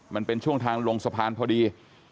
มันเป็นช่วงทางลงสะพานพอดี